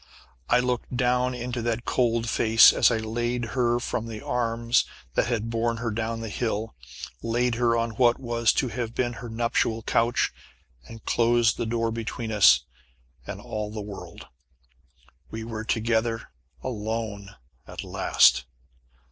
I looked down into that cold face as I laid her from the arms that had borne her down the hill laid her on what was to have been her nuptial couch and closed the door between us and all the world. We were together alone at last!